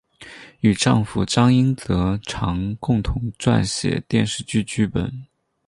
与丈夫张英哲常共同撰写电视剧剧本。